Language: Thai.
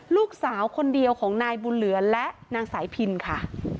ลูกสาวคนเดียวของนายบุญเหลือและนางสายพินค่ะ